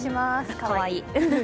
かわいい。